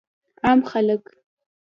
عام خلک